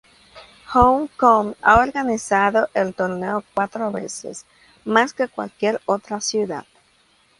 Hong Kong ha organizado el torneo cuatro veces, más que cualquier otra ciudad.